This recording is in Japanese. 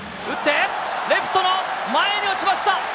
打ってレフトの前に落ちました。